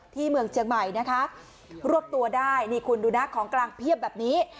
เมืองเชียงใหม่นะคะรวบตัวได้นี่คุณดูนะของกลางเพียบแบบนี้